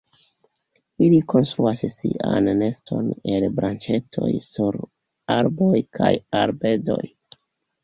Ili konstruas sian neston el branĉetoj sur arboj kaj arbedoj.